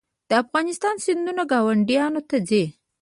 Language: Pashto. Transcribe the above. د افغانستان سیندونه ګاونډیو ته ځي